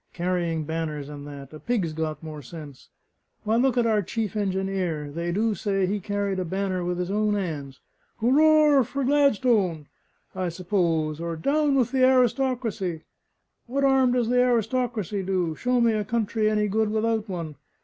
"Carrying banners and that! a pig's got more sense. Why, look at our chief engineer they do say he carried a banner with his own 'ands: 'Hooroar for Gladstone!' I suppose, or 'Down with the Aristocracy!' What 'arm does the aristocracy do? Show me a country any good without one!